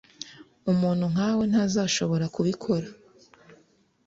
Umuntu nkawe ntazashobora kubikora